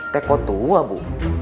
teko tua bu